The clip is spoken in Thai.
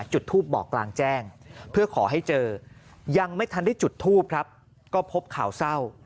จุดทูปบอกกลางแจ้งเพื่อขอให้เจอยังไม่ทันได้จุดทูปครับก็พบข่าวเศร้า